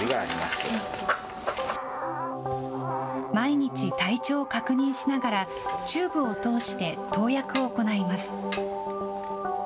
毎日、体調を確認しながら、チューブを通して投薬を行います。